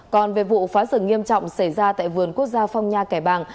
còn về vụ phá rừng nghiêm trọng xảy ra tại vườn quốc gia phong nha kẻ bàng